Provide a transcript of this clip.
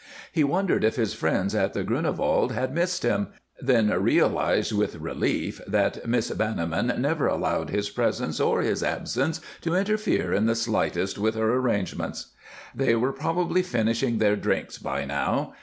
He wondered if his friends at the Grunewald had missed him, then realized with relief that Miss Banniman never allowed his presence or his absence to interfere in the slightest with her arrangements. They were probably finishing their drinks by now.